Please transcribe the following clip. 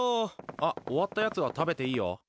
あっ、終わったやつは食べていいよ。